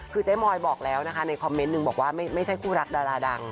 คือเจ๊มอยบอกแล้วนะคะในคอมเมนต์หนึ่งบอกว่าไม่ใช่คู่รักดาราดัง